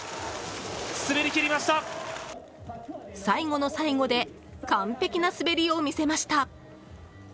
最後の最後で完璧な滑りを見せました。